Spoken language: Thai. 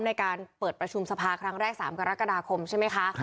ในการเปิดประชุมสภาครั้งแรก๓กรกฎาคมใช่ไหมคะ